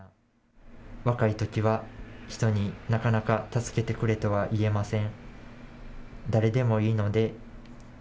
若いときは人になかなか助けてくれとは言えません。